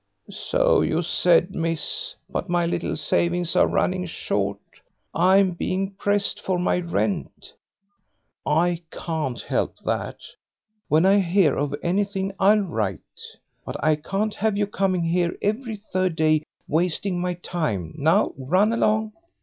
"So you said, Miss, but my little savings are running short. I'm being pressed for my rent." "I can't help that; when I hear of anything I'll write. But I can't have you coming here every third day wasting my time; now run along."